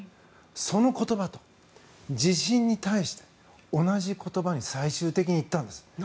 その言葉と地震に対して同じ言葉に最終的に行ったんです。